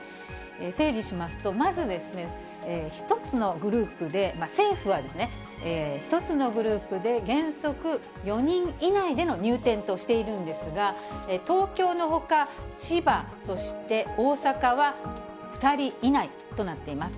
整理しますと、まず１つのグループで、政府は１つのグループで原則４人以内での入店としているんですが、東京のほか、千葉、そして大阪は２人以内となっています。